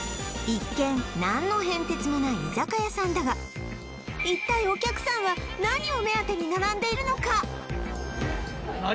一見何の変哲もない居酒屋さんだが一体お客さんは何を目当てに並んでいるのか？